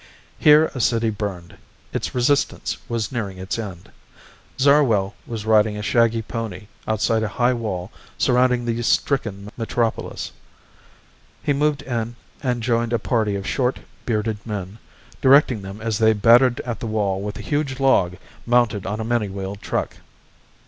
Here a city burned. Its resistance was nearing its end. Zarwell was riding a shaggy pony outside a high wall surrounding the stricken metropolis. He moved in and joined a party of short, bearded men, directing them as they battered at the wall with a huge log mounted on a many wheeled truck.